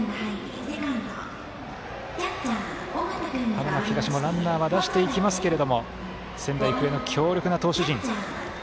花巻東もランナーは出していきますけれども仙台育英の強力な投手陣。